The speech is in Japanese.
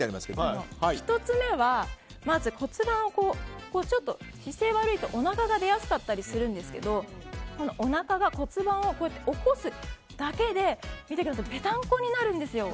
１つ目はまず骨盤を姿勢が悪いとおなかが出やすかったりしますがおなかが骨盤を起こすだけでぺたんこになるんですよ。